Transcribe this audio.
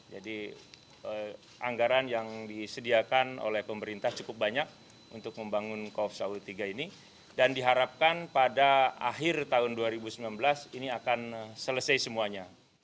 jadi anggaran yang disediakan oleh pemerintah cukup banyak untuk membangun kops au tiga ini dan diharapkan pada akhir tahun dua ribu sembilan belas ini akan selesai semuanya